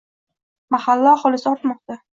Mahalla aholisi ortmoqda